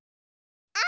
あ。